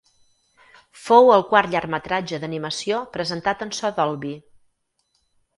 Fou el quart llargmetratge d'animació presentat en so Dolby.